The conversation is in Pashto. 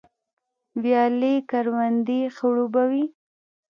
ویالې کروندې خړوبوي